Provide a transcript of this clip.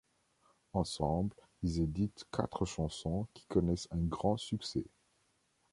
Ensemble ils éditent quatre chansons qui connaissent un grand succès.